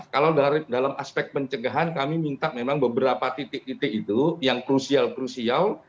kalau dalam aspek pencegahan kami minta memang beberapa titik titik itu yang krusial krusial